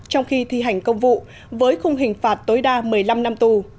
trong khi thi hành công vụ với khung hình phạt tối đa một mươi năm năm tù